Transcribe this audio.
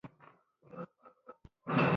ښه جانانه خوی بوی یې لاره.